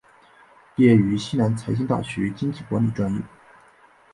毕业于西南财经大学经济管理专业。